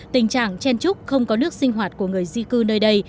tình trạng chen trúc không có nước sinh hoạt của người di cư nơi đây